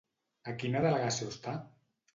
A quina delegació està?